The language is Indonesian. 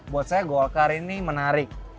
buat saya golkar ini menarik